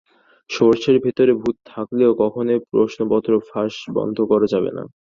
সরষের ভেতরে ভূত থাকলে কখনোই প্রশ্নপত্র ফাঁস বন্ধ করা যাবে না।